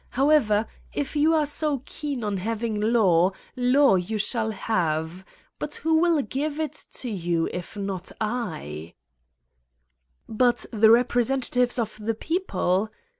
However, if you are so keen on hav ing law, law you shall have. But who will give it to you, if not If'' "But the representatives of the people